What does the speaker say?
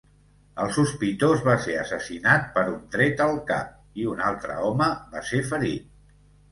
El sospitós va ser assassinat per un tret al cap i un altre home va ser ferit.